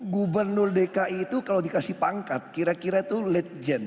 gubernur dki itu kalau dikasih pangkat kira kira itu led gent